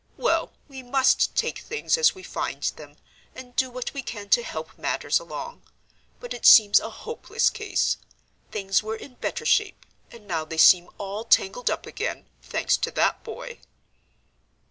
Well, we must take things as we find them, and do what we can to help matters along; but it seems a hopeless case, things were in better shape; and now they seem all tangled up again, thanks to that boy."